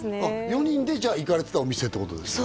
４人でじゃあ行かれてたお店ってことですね